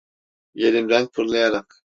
Yerimden fırlayarak: